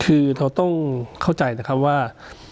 คือเราต้องเข้าใจนะครับว่า